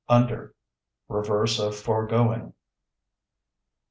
Under (Reverse of foregoing).